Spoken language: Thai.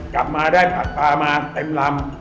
กลับมาได้ผักปลามาเต็มลำ